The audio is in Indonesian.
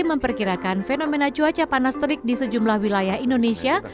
memperkirakan fenomena cuaca panas terik di sejumlah wilayah indonesia